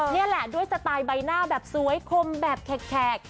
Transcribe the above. นี่แหละด้วยสไตล์ใบหน้าแบบสวยคมแบบแขก